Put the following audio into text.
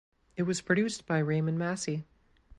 It was produced by Raymond Massey.